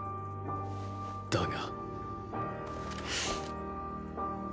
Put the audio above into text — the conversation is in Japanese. だが。